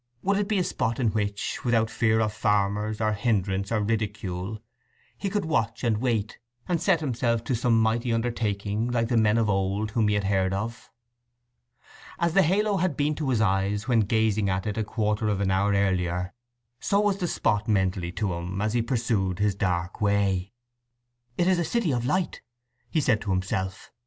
Would it be a spot in which, without fear of farmers, or hindrance, or ridicule, he could watch and wait, and set himself to some mighty undertaking like the men of old of whom he had heard? As the halo had been to his eyes when gazing at it a quarter of an hour earlier, so was the spot mentally to him as he pursued his dark way. "It is a city of light," he said to himself.